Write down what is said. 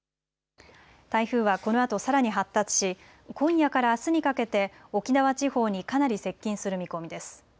台風はこのあとさらに発達し今夜からあすにかけて沖縄地方にかなり接近する見込みです。